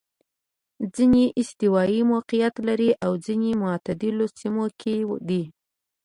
ځیني یې استوايي موقعیت لري او ځیني معتدلو سیمو کې دي.